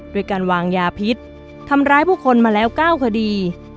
โดยการวางยาพิษทำร้ายผู้คนมาแล้ว๙คดี